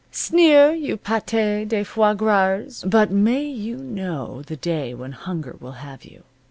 Sneer, you pate de foies grasers! But may you know the day when hunger will have you.